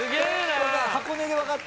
箱根で分かった？